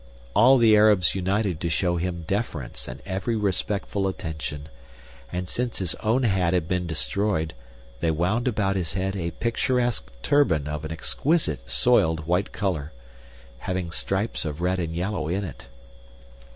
All the Arabs united to show him deference and every respectful attention, and since his own hat had been destroyed they wound about his head a picturesque turban of an exquisite soiled white color, having stripes of red and yellow in it.